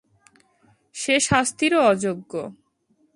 সে শাস্তিরও অযোগ্য।